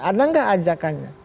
ada gak ajakannya